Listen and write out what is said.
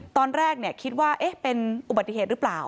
ตอนแรกคิดว่าเป็นอุบัติเหตุหรือเปล่า